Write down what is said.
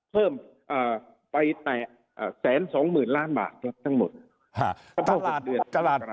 เพิ่มไปแต่๑๒๐๐๐ล้านบาทครับทั้งหมด